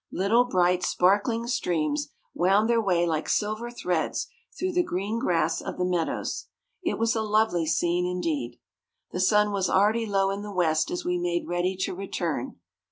Little bright, sparkling streams wound their way like silver threads through the green grass of the meadows. It was a lovely scene indeed! The sun was already low in the west as we made ready to return.